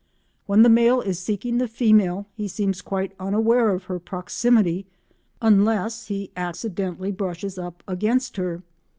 When the male is seeking the female he seems quite unaware of her proximity unless he accidentally brushes up against her.